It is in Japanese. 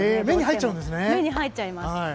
目に入っちゃいます。